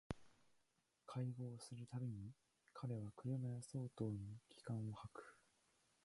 邂逅する毎に彼は車屋相当の気焔を吐く